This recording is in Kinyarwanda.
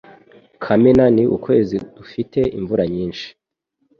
Kamena ni ukwezi dufite imvura nyinshi.